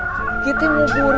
cuma inget gak tadi sebelum maghrib